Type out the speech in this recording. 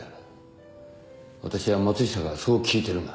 私は松下からそう聞いてるが。